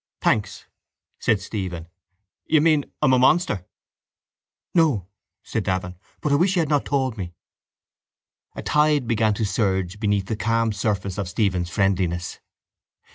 —Thanks, said Stephen. You mean I am a monster. —No, said Davin. But I wish you had not told me. A tide began to surge beneath the calm surface of Stephen's friendliness.